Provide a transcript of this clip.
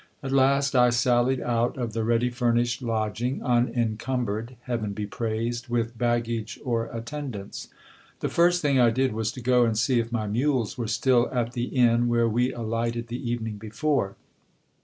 At last I sallied out of the ready furnished lodging, unencumbered, heaven be praised, with baggage or attendance. The first thing I did was to go and see if my mules were still at the inn where we alighted the evening before.